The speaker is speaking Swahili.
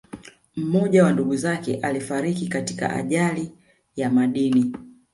Mmoja wa ndugu zake alifariki katika ajali ya madini